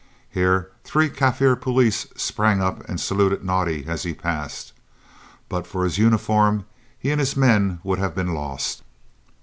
Here three Kaffir police sprang up and saluted Naudé as he passed. But for his uniform, he and his men would have been lost.